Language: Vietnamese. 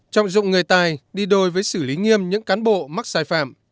trọng dụng người tài đi đôi với xử lý nghiêm những cán bộ mắc sai phạm